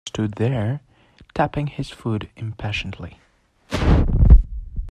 Sean stood there tapping his foot impatiently.